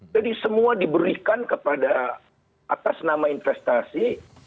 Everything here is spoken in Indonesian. jadi semua diberikan kepada atas nama investasi